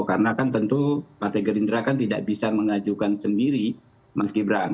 karena kan tentu pak tegel indra kan tidak bisa mengajukan sendiri mas gibran